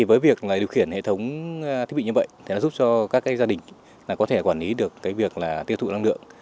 với việc điều khiển hệ thống thiết bị như vậy giúp cho các gia đình có thể quản lý được việc tiêu thụ năng lượng